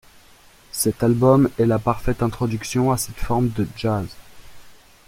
Cet album est la parfaite introduction à cette forme de jazz.